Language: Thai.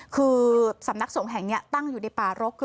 คือสำนักสงฆ์แห่งนี้ตั้งอยู่ในป่ารก